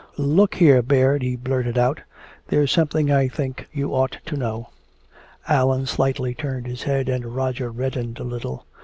"Look here, Baird," he blurted out, "there's something I think you ought to know." Allan slightly turned his head, and Roger reddened a little.